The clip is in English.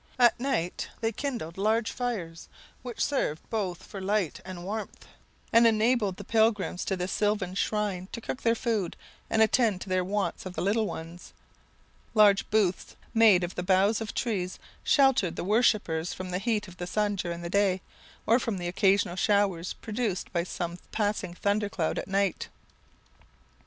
At right they kindled large fires, which served both for light and warmth, and enabled the pilgrims to this sylvan shrine to cook their food, and attend to their wants of their little ones. Large booths, made of the boughs of trees, sheltered the worshippers from the heat of the sun during the day, or from the occasional showers produced by some passing thunder cloud at night.